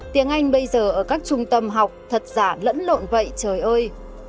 tiếng anh bây giờ ở các trung tâm học thật giả lẫn lộn vậy trời ơi